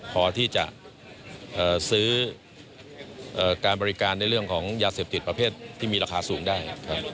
พอที่จะซื้อการบริการในเรื่องของยาเสพติดประเภทที่มีราคาสูงได้ครับ